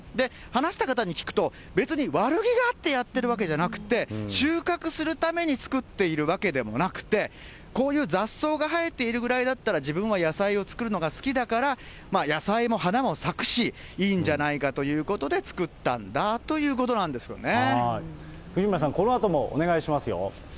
話した方に聞くと、別に悪気があってやってるわけじゃなくて、収穫するために作っているわけでもなくて、こういう雑草が生えているぐらいだったら、自分は野菜を作るのが好きだから、野菜も花も咲くし、いいんじゃないかということで作ったんだということなんですよね。